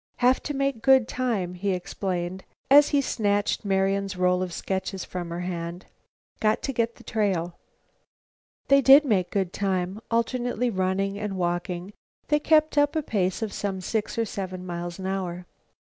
"Have to make good time," he explained as he snatched Marian's roll of sketches from her hand. "Got to get the trail." They did make good time. Alternately running and walking, they kept up a pace of some six or seven miles an hour.